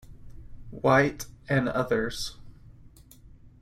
White and others.